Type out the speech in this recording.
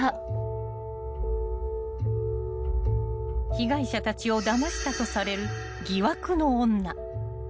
［被害者たちをだましたとされる］